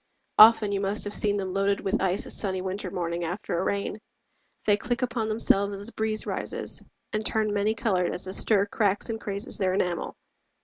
Often you must have seen them Loaded with ice a sunny winter morning After a rain. They click upon themselves As the breeze rises, and turn many colored As the stir cracks and crazes their enamel.